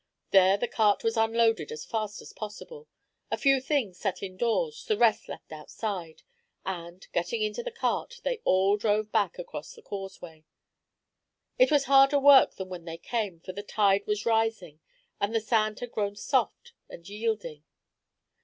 There the cart was unloaded as fast as possible, a few things set indoors, the rest left outside, and, getting into the cart, they all drove back across the causeway. It was harder work than when they came, for the tide was rising, and the sand had grown soft and yielding.